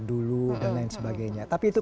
dulu dan lain sebagainya tapi itu